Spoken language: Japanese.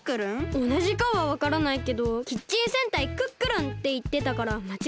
おなじかはわからないけど「キッチン戦隊クックルン！」っていってたからまちがいない。